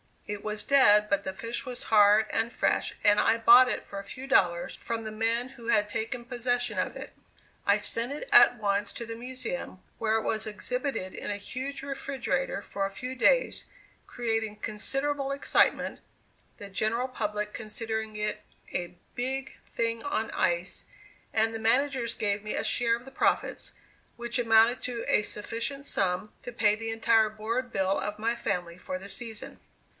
It was dead, but the fish was hard and fresh and I bought it for a few dollars from the men who had taken possession of it. I sent it at once to the Museum, where it was exhibited in a huge refrigerator for a few days, creating considerable excitement, the general public considering it "a big thing on ice," and the managers gave me a share of the profits, which amounted to a sufficient sum to pay the entire board bill of my family for the season.